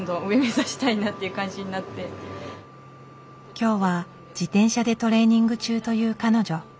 今日は自転車でトレーニング中という彼女。